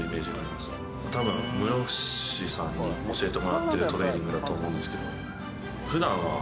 多分室伏さんに教えてもらってるトレーニングだと思うんですけど。